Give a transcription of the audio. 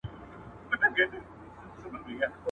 تاسو باید د خپل عمر هره ګړۍ په کار تېره کړئ.